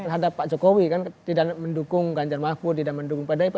terhadap pak jokowi kan tidak mendukung ganjar mahfud tidak mendukung pdip